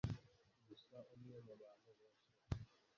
gusa umwe mubantu benshi